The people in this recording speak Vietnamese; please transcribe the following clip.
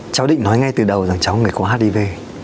cháu định nói ngay từ đầu rằng cháu không phải có hdv